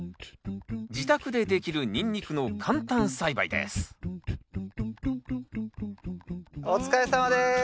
自宅でできるニンニクの簡単栽培ですお疲れさまです。